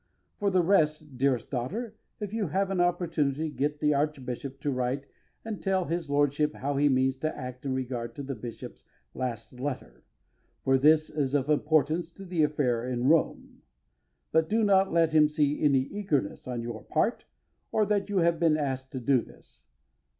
For the rest, dearest daughter, if you have an opportunity get the Archbishop to write and tell his Lordship how he means to act in regard to the Bishop's last letter, for this is of importance to the affair in Rome; but do not let him see any eagerness on your part or that you have been asked to do this.